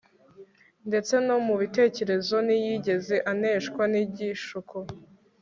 Ndetse no mu bitekerezo ntiyigeze aneshwa nigishuko